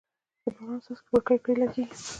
د باران څاڅکي پر کړکۍ لګېږي.